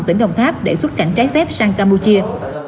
tỉnh đồng tháp để xuất cảnh trái phép sang campuchia